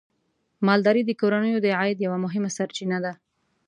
مالداري د کورنیو د عاید یوه مهمه سرچینه ده.